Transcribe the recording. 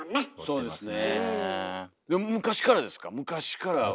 そうですね。